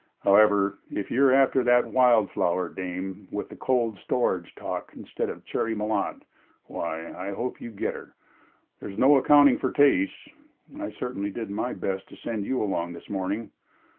However, if you're after that wild flower dame with the cold storage talk instead of Cherry Malotte, why, I hope you get her. There's no accounting for tastes. I certainly did my best to send you along this morning."